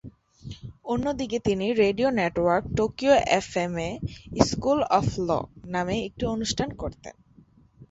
অন্যদিকে তিনি radio network Tokyo FM এ "স্কুল অফ লক" নামে একটি অনুষ্ঠান করতেন।